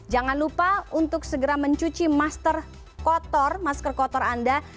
jangan lupa untuk segera mencuci masker kotor anda